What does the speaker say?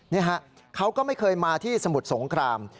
นี่ฮะเขาก็ไม่เคยมาที่สมุทรสงคราม